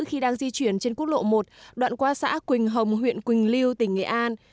khi đang di chuyển trên quốc lộ một đoạn qua xã quỳnh hồng huyện quỳnh lưu tỉnh nghệ an